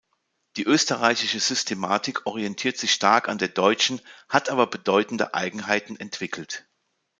Die österreichische Systematik orientiert sich stark an der deutschen, hat aber bedeutende Eigenheiten entwickelt.